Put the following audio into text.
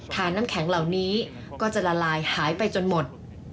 น้ำแข็งเหล่านี้ก็จะละลายหายไปจนหมด